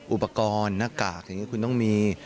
อุปกรณ์หน้ากากอย่างนี้คุณต้องมี